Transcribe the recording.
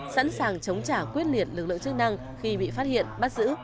càng chống trả quyết liệt lực lượng chức năng khi bị phát hiện bắt giữ